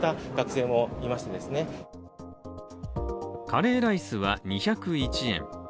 カレーライスは２０１円